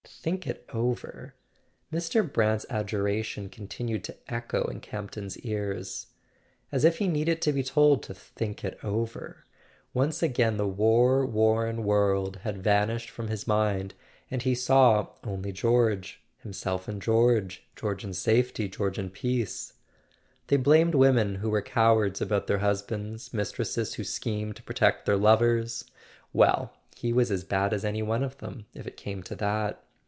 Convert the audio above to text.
"Think it over!" Mr. Brant's adjuration continued to echo in Camp ton's ears. As if he needed to be told to think it over! Once again the war worn world had vanished from his mind, and he saw only George, him¬ self and George, George and safety, George and peace. They blamed women who were cowards about their husbands, mistresses who schemed to protect their lovers! Well—he was as bad as any one of them, if it came to that.